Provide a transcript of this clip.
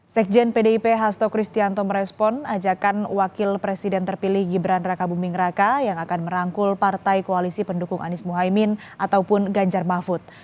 sekjen pdip hasto kristianto merespon ajakan wakil presiden terpilih gibran raka buming raka yang akan merangkul partai koalisi pendukung anies mohaimin ataupun ganjar mahfud